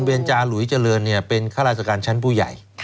จาหลุยเจริญเป็นข้าราชการชั้นผู้ใหญ่